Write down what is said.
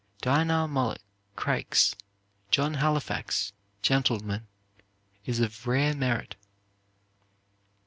Dinah Mulock Craik's "John Halifax, Gentleman," is of rare merit.